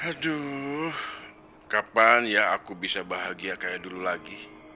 aduh kapan ya aku bisa bahagia kayak dulu lagi